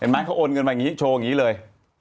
มั๊กเขาโอนเงินมาโชว์อย่างงี้เลย